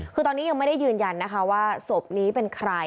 คือตอนนี้ยังไม่ได้ยืนยันนะคะว่าศพนี้เป็นใคร